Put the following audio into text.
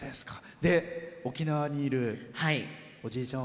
沖縄にいる、おじいちゃん